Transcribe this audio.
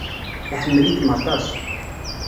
Iḥemmel-ikem aṭas.